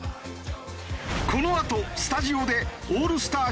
このあとスタジオでオールスター